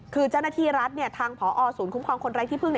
คือเจ้าหน้าที่รัฐทางพอศูนย์คุ้มครองคนไร้ที่พึ่ง